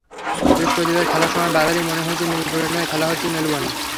বৃহস্পতিবার খেলার সময় বারবারই মনে হয়েছে মিরপুরে নয়, খেলা হচ্ছে মেলবোর্নে।